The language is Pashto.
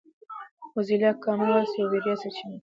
موزیلا کامن وایس یوه وړیا سرچینه ده.